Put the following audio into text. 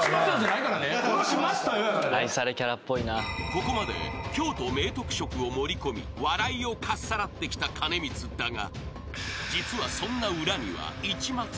［ここまで京都明徳色を盛りこみ笑いをかっさらってきた兼光だが］